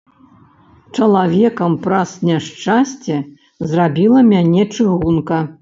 Чалавекам праз няшчасце зрабіла мяне чыгунка.